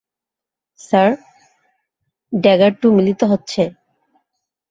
Sir, dagger two মিলিত হচ্ছে।